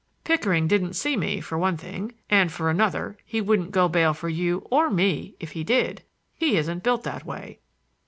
"Pickering didn't see me, for one thing; and for another he wouldn't go bail for you or me if he did. He isn't built that way."